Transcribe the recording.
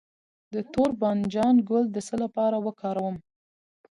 د تور بانجان ګل د څه لپاره وکاروم؟